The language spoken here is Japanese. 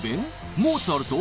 モーツァルト？